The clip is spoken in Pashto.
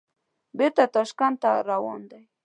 بېرته تاشکند ته روان دي.